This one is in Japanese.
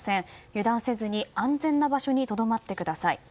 油断せずに安全な場所にとどまってください。